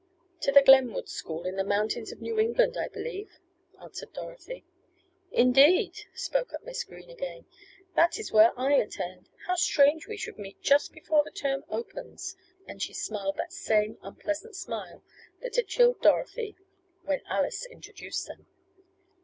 "To the Glenwood School, in the mountains of New England, I believe," answered Dorothy. "Indeed?" spoke up Miss Green again. "That is where I attend. How strange we should meet just before the term opens," and she smiled that same unpleasant smile that had chilled Dorothy when Alice introduced them.